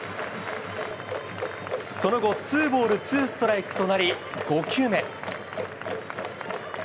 その後、ツーボールツーストライクとなり、５球目。